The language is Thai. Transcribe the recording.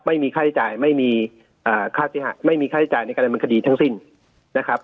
ไม่มีค่าใช้จ่ายไม่มีค่าเสียหายไม่มีค่าใช้จ่ายในการดำเนินคดีทั้งสิ้นนะครับ